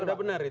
sudah benar itu